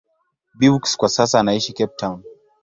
Beukes kwa sasa anaishi Cape Town.